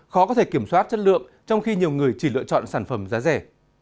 khó có thể kiểm soát chất lượng trong khi nhiều người chỉ lựa chọn sản phẩm giá rẻ